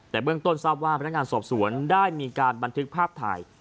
แต่เบื้องต้นทราบว่าพนักงานสอบสวนได้มีการบันทึกภาพถ่าย